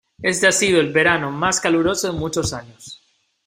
Este ha sido el verano más caluroso en muchos años.